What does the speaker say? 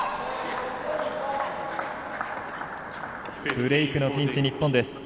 ブレークのピンチ、日本です。